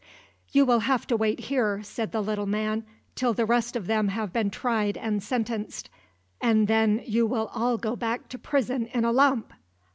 "You will have to wait here," said the little man, "till the rest of them have been tried and sentenced; and then you will all go back to prison in a lump.